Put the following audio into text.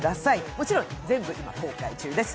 もちろん全部今、公開中です。